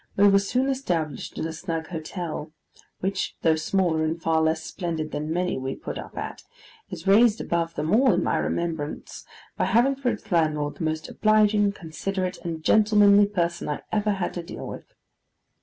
We were soon established in a snug hotel, which though smaller and far less splendid than many we put up at, it raised above them all in my remembrance, by having for its landlord the most obliging, considerate, and gentlemanly person I ever had to deal with.